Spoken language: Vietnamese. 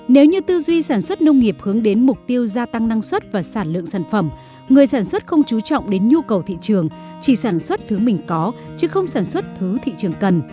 nếu như tư duy sản xuất nông nghiệp hướng đến mục tiêu gia tăng năng suất và sản lượng sản phẩm người sản xuất không chú trọng đến nhu cầu thị trường chỉ sản xuất thứ mình có chứ không sản xuất thứ thị trường cần